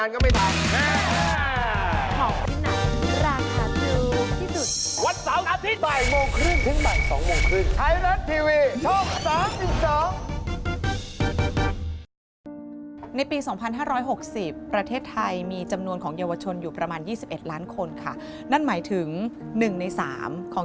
ขึ้นขึ้นใหม่๒โมงครึ่ง